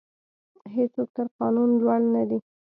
هیڅوک تر قانون لوړ نه دی.